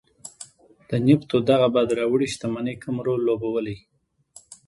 د نفتو دغې باد راوړې شتمنۍ کم رول لوبولی.